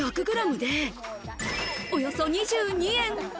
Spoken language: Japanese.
１００グラムで、およそ２２円。